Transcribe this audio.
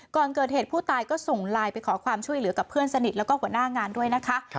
ก่อนเกิดเหตุผู้ตายก็ส่งไลน์ไปขอความช่วยเหลือกับเพื่อนสนิทแล้วก็หัวหน้างานด้วยนะคะ